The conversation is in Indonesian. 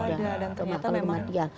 dan ternyata memang ada